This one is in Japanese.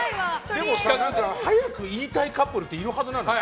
早く言いたいカップルっているはずなんだよ。